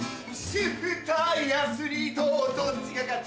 主婦対アスリートどっちが勝つ？